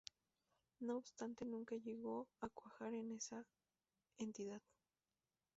No obstante, nunca llegó a cuajar en esa entidad.